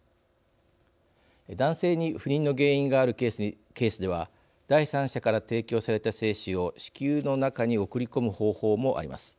男性に不妊の原因があるケースでは第三者から提供された精子を子宮の中に送り込む方法もあります。